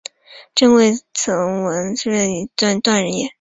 朕未闻诸臣以善恶直奏斯断人也！